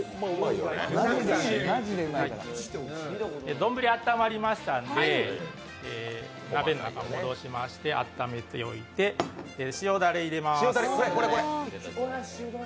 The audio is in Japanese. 丼温まりましたんで鍋の中戻して温めておいて塩だれ入れます。